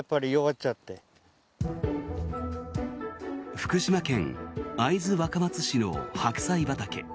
福島県会津若松市の白菜畑。